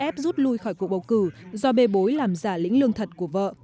ép rút lui khỏi cuộc bầu cử do bê bối làm giả lĩnh lương thật của vợ